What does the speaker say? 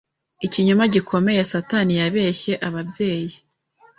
ikinyoma gikomeye Satani yabeshye ababyeyi